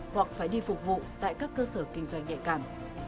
hoặc phải đi phục vụ tại các cơ sở kinh doanh nhạy cảm